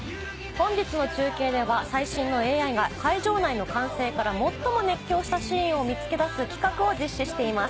本日の中継では最新のＡＩが会場内の歓声から最も熱狂したシーンを見つけ出す企画を実施しています。